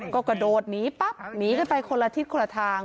ก็กระโดดหนีปั๊บหนีกันไปคนละทิศคนละทาง